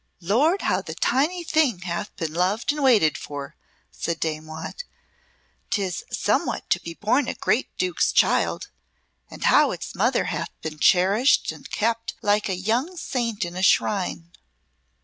"Lord, how the tiny thing hath been loved and waited for!" said Dame Watt. "'Tis somewhat to be born a great Duke's child! And how its mother hath been cherished and kept like a young saint in a shrine!"